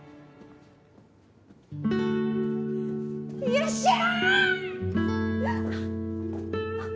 よっしゃー！